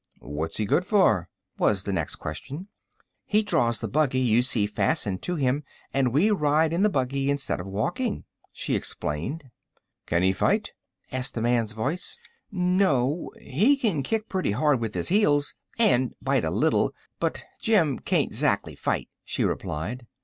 "What is he good for?" was the next question. "He draws the buggy you see fastened to him, and we ride in the buggy instead of walking," she explained. "Can he fight?" asked the man's voice. "No! he can kick pretty hard with his heels, and bite a little; but Jim can't 'zactly fight," she replied.